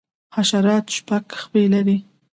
حشرات شپږ پښې لري